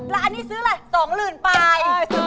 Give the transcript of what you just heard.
แล้วอันนี้ซื้ออะไรสองหลื่นปลาย